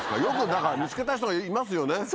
よくだから見つけた人がいますよね。